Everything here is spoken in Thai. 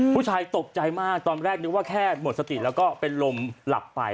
ผู้ชายตกใจมากตอนแรกนึกว่าแค่หมดสติแล้วก็เป็นลมหลับไป